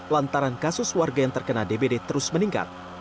lantaran kasus warga yang terkena dbd terus meningkat